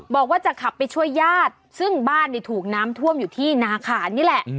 บอกว่าจะขับไปช่วยญาติซึ่งบ้านถูกน้ำท่วมอยู่ที่นาขานนี่แหละ